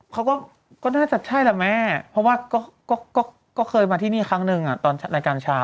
เขาก็น่าจะใช่แหละแม่เพราะว่าก็เคยมาที่นี่ครั้งหนึ่งตอนรายการเช้า